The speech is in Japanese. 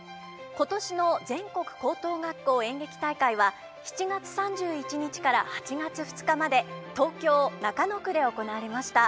今年の全国高等学校演劇大会は７月３１日から８月２日まで東京・中野区で行われました。